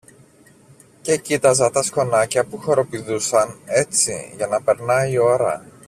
και κοίταζα τα σκονάκια που χοροπηδούσαν, έτσι, για να περνά η ώρα.